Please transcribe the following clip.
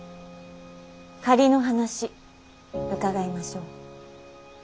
仮の話伺いましょう。